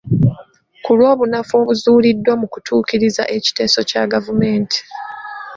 Ku lw'obunafu obuzuuliddwa mu kutuukiriza ekiteeso kya gavumenti.